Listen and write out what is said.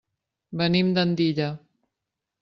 Venim d'Andilla.